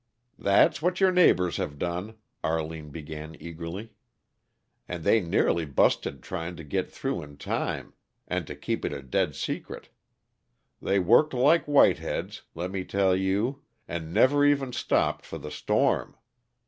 "That's what your neighbors have done," Arline began eagerly, "and they nearly busted tryin' to git through in time, and to keep it a dead secret. They worked like whiteheads, lemme tell you, and never even stopped for the storm.